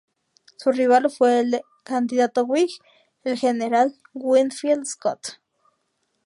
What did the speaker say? Su rival fue el candidato whig, el general Winfield Scott.